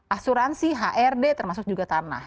asuransi hrd termasuk juga tanah